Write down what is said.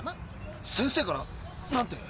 先生から⁉なんて？